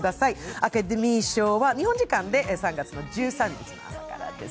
アカデミー賞は日本時間で３月１３日です。